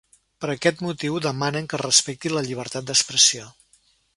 Per aquest motiu demanen que es respecti la llibertat d’expressió.